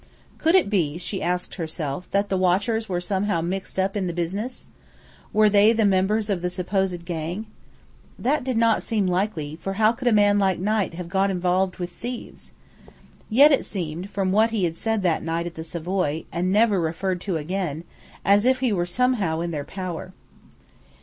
Could it be, she asked herself, that the watchers were somehow mixed up in the business? Were they members of the supposed gang? That did not seem likely, for how could a man like Knight have got involved with thieves? Yet it seemed, from what he had said that night at the Savoy and never referred to again as if he were somehow in their power.